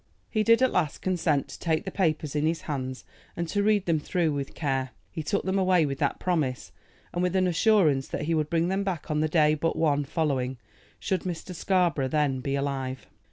He did at last consent to take the papers in his hands, and to read them through with care. He took them away with that promise, and with an assurance that he would bring them back on the day but one following should Mr. Scarborough then be alive.